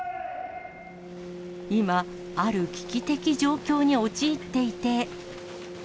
今、ある危機的状況に陥っていて。